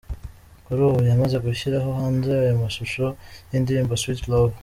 Kuri ubu yamaze gushyira hanze aya mashusho y’indirimbo ‘sweet love’.